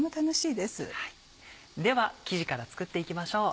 では生地から作っていきましょう。